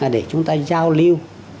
để chúng ta giao lưu